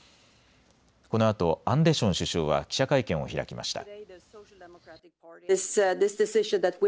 このあとアンデション首相は記者会見を開きました。